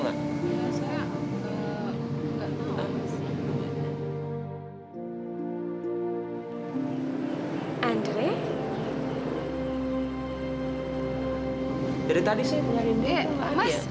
nanne siapa sihatsu ya